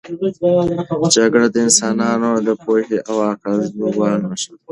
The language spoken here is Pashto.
جګړه د انسانانو د پوهې او عقل د زوال نښه ده.